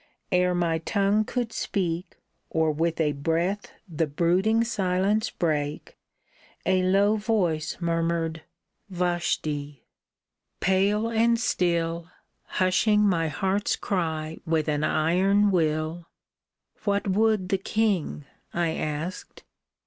Ere my tongue could speak, Or with a breath the brooding silence break, A low voice murmured ^* Vashti !" Pale and still. Hushing my heart's cry with an iron will, " What would the king ?" I asked.